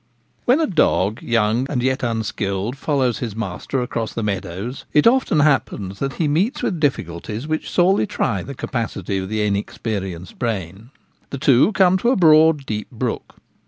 * WHEN a dog, young and yet unskilled, follows his master across the meadows, it often happens that he meets with difficulties which sorely try the capacity of the inexperienced brain. The two come to a broad deep brook.